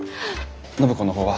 暢子の方は？